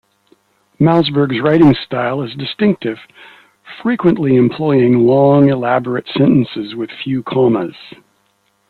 Malzberg's writing style is distinctive, frequently employing long, elaborate sentences with few commas.